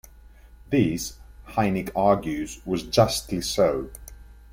This, Heynick argues, was justly so.